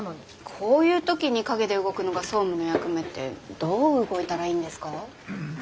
こういう時に陰で動くのが総務の役目ってどう動いたらいいんですか？